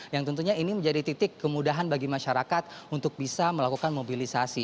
yang tentunya ini menjadi titik kemudahan bagi masyarakat untuk bisa melakukan mobilisasi